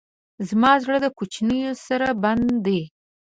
زما زړه د کوچیانو سره بند دی.